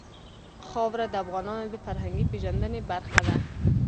خاوره د افغانانو د فرهنګي پیژندنې برخه ده.